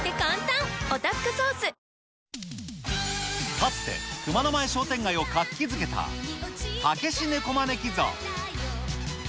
かつて熊野前商店街を活気づけたたけし猫招き像。